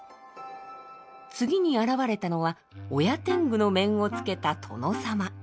次に現れたのは親天狗の面をつけた殿様。